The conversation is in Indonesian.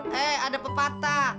hei ada pepatah